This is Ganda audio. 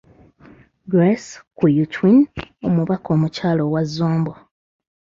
Grace Kwiyucwiny , omubaka omukyala owa Zombo.